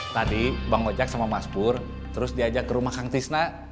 tadi bang ojek sama mas pur terus diajak ke rumah kang tisna